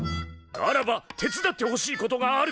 ならば手伝ってほしいことがある。